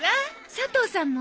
佐藤さんも？